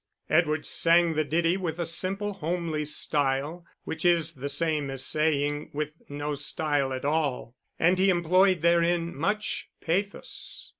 Edward sang the ditty with a simple, homely style which is the same as saying, with no style at all and he employed therein much pathos.